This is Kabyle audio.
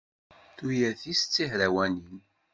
Tuyat-is d tihrawanin.